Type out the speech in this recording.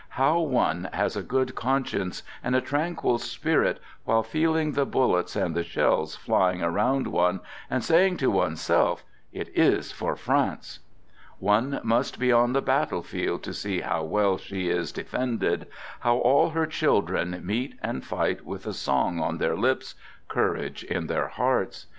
How one ' has a good conscience and a tranquil spirit while : feeling the bullets and the shells flying around one, and saying to oneself: " It is for France! " One must be on the battlefield to see how well she is de fended, how all her children meet and fight with a song on their lips, courage in their hearts.